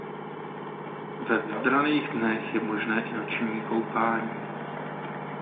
Ve vybraných dnech je možné i noční koupání.